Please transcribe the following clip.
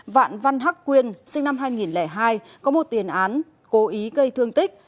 vạn văn hắc quyên sinh năm hai nghìn hai có một tiền án cố ý gây thương tích